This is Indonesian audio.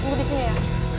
tunggu di sini ya